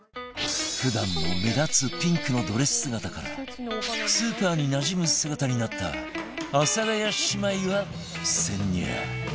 普段の目立つピンクのドレス姿からスーパーになじむ姿になった阿佐ヶ谷姉妹が潜入